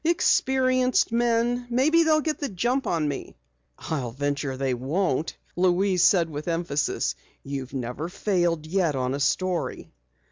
Experienced men. Maybe they'll get the jump on me." "I'll venture they won't!" Louise said with emphasis. "You've never failed yet on a story."